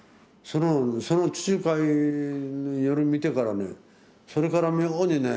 その地中海夜見てからねそれから妙にね